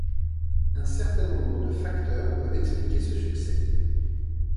Un certain nombre de facteurs peuvent expliquer ce succès.